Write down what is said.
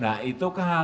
nah itu kalau gabah